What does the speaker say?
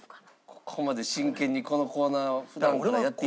ここまで真剣にこのコーナーを普段からやっていただきたい。